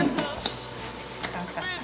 楽しかった？